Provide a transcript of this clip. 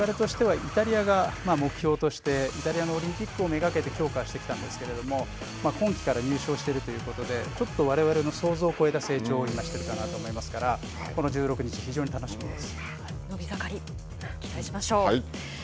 われわれとしてはイタリアが目標としてイタリアオリンピックを目がけて強化してきたんですけれども今季から入賞しているということでちょっとわれわれの想像を超えた成長を今しているかなと思いますからこの１６日伸び盛り。